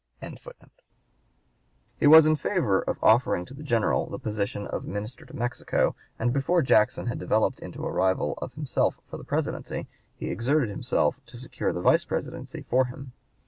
"] He was in favor of offering to the General the position of (p. 163) minister to Mexico; and before Jackson had developed into a rival of himself for the Presidency, he exerted himself to secure the Vice Presidency for him.